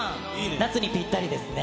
夏にぴったりですね。